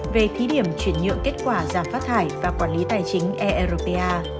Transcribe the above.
về thí điểm chuyển nhượng kết quả giảm phát thải và quản lý tài chính eropa